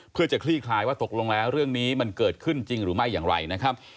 เพื่อจะคลี่คลายว่าตกลงแล้วเรื่องนี้มันเกิดขึ้นจริงหรือไม่อย่างไรนะครับ